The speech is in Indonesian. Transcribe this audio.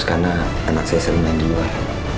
karena anak saya sering main di luar